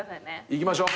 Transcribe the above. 行きましょう。